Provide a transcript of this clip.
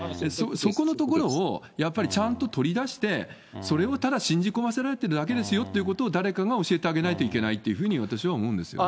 そこのところをやっぱりちゃんと取り出して、それをただ信じ込まされてるだけですよっていうことを誰かが教えてあげないといけないっていうふうに、私は思うんですよね。